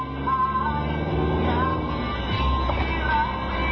กลับไปยังไม่รู้ว่าวิทยาลัยไม่รู้ว่าวิทยาลัย